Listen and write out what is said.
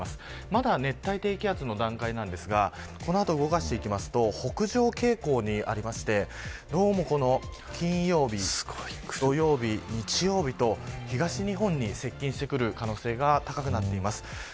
まだ熱帯低気圧の段階ですがこの後動かすと北上傾向にありまして金曜日、土曜日、日曜日と東日本に接近してくる可能性が高くなっています。